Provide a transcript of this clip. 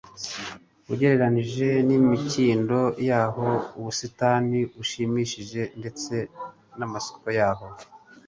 Ugereranije n'imikindo yaho, ubusitani bushimishije ndetse n'amasoko yaho;